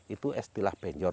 itu istilah penjor